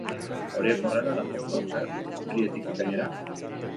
Horiek horrela, lanpostuak zer, apiriletik ekainera?